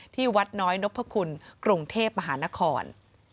ที่วัดน้อยนพคุณกรุงเทพมหานคร